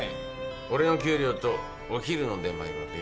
俺の給料とお昼の出前は別。